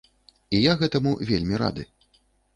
І я гэтаму вельмі рады.